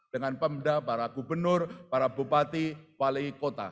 dengan pemda para gubernur para bupati wali kota